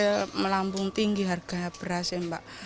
soalnya melambung tinggi harga berasnya mbak